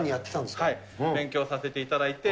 勉強させていただいて。